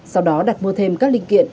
sau đó đặt mua thêm các linh kiện